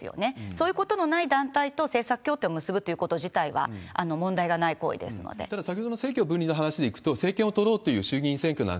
そういうことのない団体と政策協定を結ぶということ自体は問題がただ、先ほどの政教分離の話でいくと、政権を取ろうという衆議院選挙な